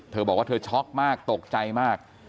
เธอบอกว่าเธอช็อกมากตกใจมาก